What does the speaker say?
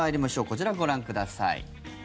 こちら、ご覧ください。